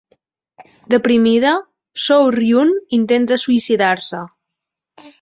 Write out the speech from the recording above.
Deprimida, Soo-ryun intenta suïcidar-se.